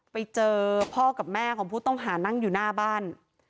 ไปเจอพ่อกับแม่ของผู้ต้องหานั่งอยู่หน้าบ้าน